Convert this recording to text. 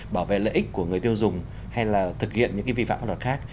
bảo vệ lợi ích của người tiêu dùng hay là thực hiện những cái vi phạm pháp luật khác